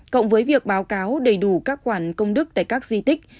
cộng với việc báo cáo đầy đủ các khoản công đức tại các di tích